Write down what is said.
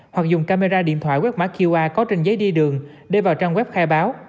hoặc dùng camera điện thoại quét mã qr có trên giấy đi đường để vào trang web khai báo